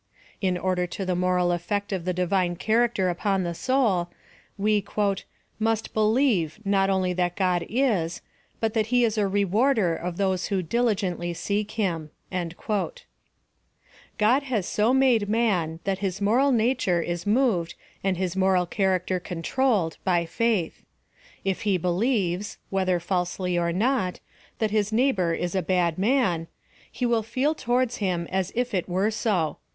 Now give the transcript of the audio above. In order to the moral effect of the Divine character upon the soul, we " must believe not only that God is, but that he is a reiaarder of those who diligently seek him.^^ God has so made man that his moral nature ia moved and his moral character controlled by faith. If he believes (whether falsely or not) that his PLAN OP' SALVATION. 271 neighlor is a bad man, he will feel towards nim as if it were so.